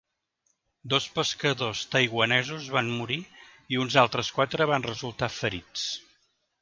Dos pescadors taiwanesos van morir i uns altres quatre van resultar ferits.